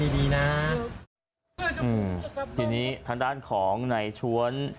ที่ดินี้ท่านด้านของในชวน